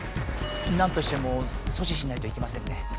なんとしてもそ止しないといけませんね。